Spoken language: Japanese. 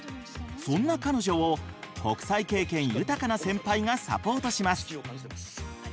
そんな彼女を国際経験豊かな先輩がサポートします。